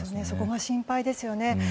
そこが心配ですよね。